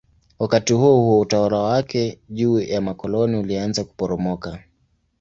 Wakati huohuo utawala wake juu ya makoloni ulianza kuporomoka.